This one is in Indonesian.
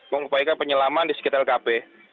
mengupayakan penyelaman di sekitar lkp